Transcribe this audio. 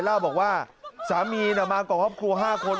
เล่าบอกว่าสามีมากับครอบครัว๕คน